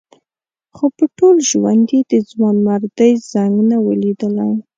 خو په ټول ژوند یې د ځوانمردۍ زنګ نه و لیدلی.